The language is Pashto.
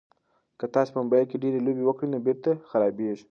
که تاسي په موبایل کې ډېرې لوبې وکړئ نو بېټرۍ خرابیږي.